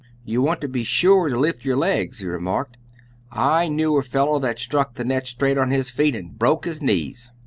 "You want to be sure to lift yer legs," he remarked. "I knew a feller that struck the net straight on his feet and broke his knees."